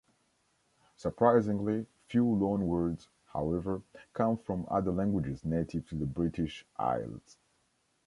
Surprisingly few loanwords, however, come from other languages native to the British Isles.